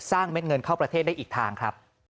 เม็ดเงินเข้าประเทศได้อีกทางครับ